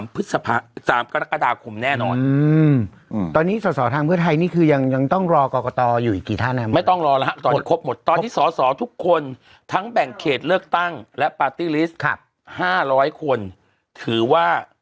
พอที่สอสอทุกคนทั้งแบ่งเขตเลือกตั้งและปาร์ตี้ลิสต์๕๐๐คนถือว่า